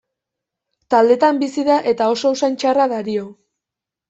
Taldetan bizi da eta oso usain txarra dario.